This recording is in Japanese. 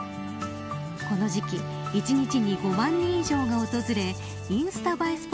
この時期１日に５万人以上が訪れインスタ映え